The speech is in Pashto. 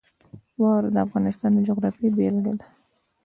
واوره د افغانستان د جغرافیې بېلګه ده.